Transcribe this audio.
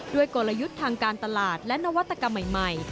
กลยุทธ์ทางการตลาดและนวัตกรรมใหม่